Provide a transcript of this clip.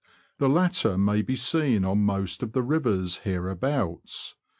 The latter may be seen on most of the rivers here abouts.